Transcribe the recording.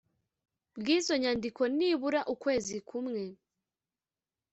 bw izo nyandiko nibura ukwezi kumwe